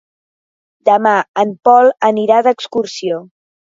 Demà en Pol anirà d'excursió.